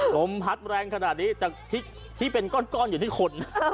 ลมพัดแรงขนาดนี้แต่ที่เป็นก้อนอยู่ที่คน